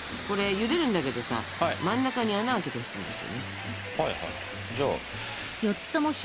これゆでるんだけどさ真ん中に穴開けてほしいんですよね。